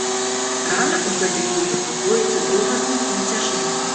Рана ў гэтых выпадках гоіцца другасным нацяжэннем.